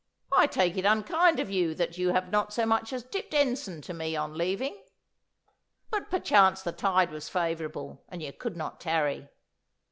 I take it unkind of you that you have not so much as dipped ensign to me on leaving. But perchance the tide was favourable, and you could not tarry.